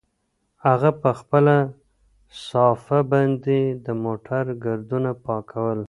هغه په خپله صافه باندې د موټر ګردونه پاکول.